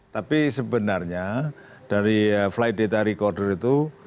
tapi sebenarnya dari flight data recorder itu